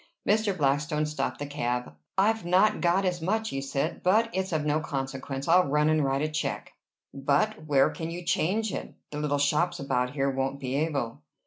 Mr. Blackstone stopped the cab. "I've not got as much," he said. "But it's of no consequence. I'll run and write a check." "But where can you change it? The little shops about here won't be able."